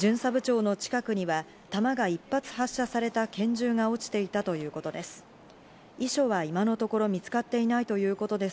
巡査部長の近くには、弾が１発発射された拳銃が落ちていたということです。